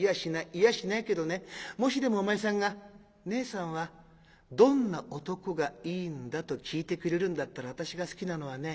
言いやしないけどねもしでもお前さんが『ねえさんはどんな男がいいんだ？』と聞いてくれるんだったら私が好きなのはね